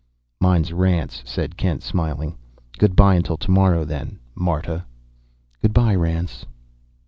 "Mine's Rance," said Kent, smiling. "Good by until to morrow, then, Marta." "Good by, Rance."